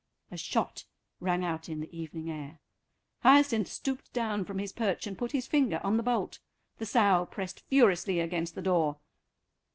A shot rang out in the evening air. Hyacinth stooped down from his perch and put his finger on the bolt. The sow pressed furiously against the door.